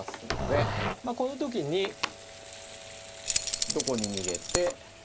この時にどこに逃げて。